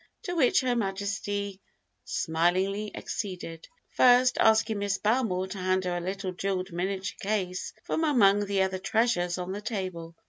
to which Her Majesty smilingly acceded, first asking Miss Belmore to hand her a little jewelled miniature case from among the other treasures on the table.